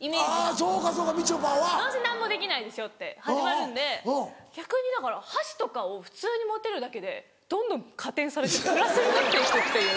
どうせ何もできないでしょって始まるんで逆にだから箸とかを普通に持てるだけでどんどん加点されてプラスになって行くっていう。